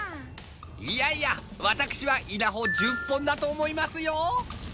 いやいや私は稲穂１０本だと思いますよ！